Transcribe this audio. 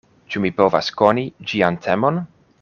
Ĉu mi povas koni ĝian temon?